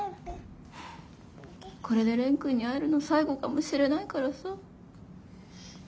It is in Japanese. これで蓮くんに会えるの最後かもしれないからさ。